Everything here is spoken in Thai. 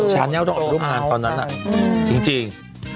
ชาแนลต้องออกรูปงานตอนนั้นจริง